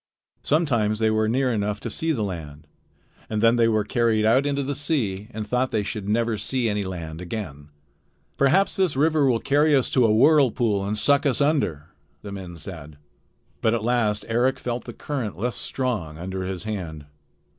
Sometimes they were near enough to see the land, then they were carried out into the sea and thought that they should never see any land again. "Perhaps this river will carry us to a whirlpool and suck us under," the men said. But at last Eric felt the current less strong under his hand.